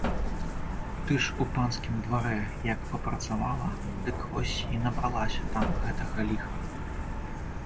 Ты ж у панскім дварэ як папрацавала, дык вось і набралася там гэтага ліха.